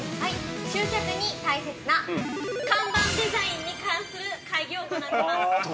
◆集客に大切な看板デザインに関する会議を行っています。